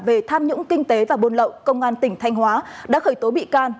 về tham nhũng kinh tế và buôn lậu công an tỉnh thanh hóa đã khởi tố bị can